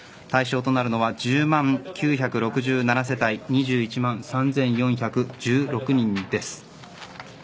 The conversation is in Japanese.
対象となるのは１０万９６７世帯２１万３４１６人です。